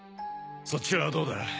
そっちはどうだ？